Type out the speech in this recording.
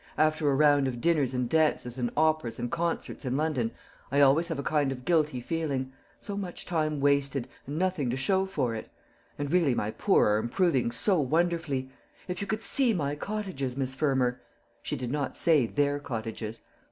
"After a round of dinners and dances and operas and concerts in London, I always have a kind of guilty feeling. So much time wasted, and nothing to show for it. And really my poor are improving so wonderfully. If you could see my cottages, Miss Fermor!" (she did not say, "their cottages.")